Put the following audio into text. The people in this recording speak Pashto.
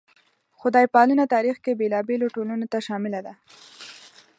خدای پالنه تاریخ کې بېلابېلو ټولنو ته شامله ده.